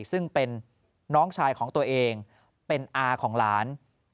ซึ่งเป็นน้องชายของตัวเองเป็นอาของหลาน